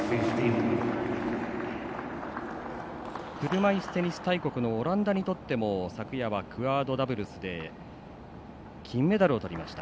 車いすテニス大国のオランダにとっても昨夜はクアードダブルスで金メダルをとりました。